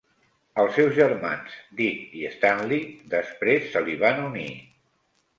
Els seus germans, Dick i Stanley, després se li van unir.